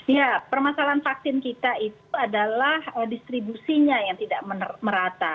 ya permasalahan vaksin kita itu adalah distribusinya yang tidak merata